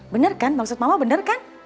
bener kan maksud mama benar kan